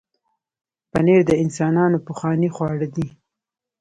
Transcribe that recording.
پنېر د انسانانو پخوانی خواړه دی.